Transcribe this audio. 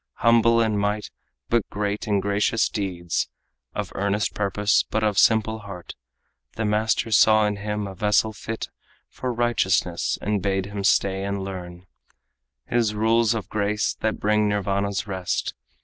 Humble in mind but great in gracious deeds, Of earnest purpose but of simple heart, The master saw in him a vessel fit For righteousness, and bade him stay and learn His rules of grace that bring Nirvana's rest.